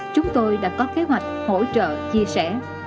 chúng tôi đã có kế hoạch hỗ trợ chia sẻ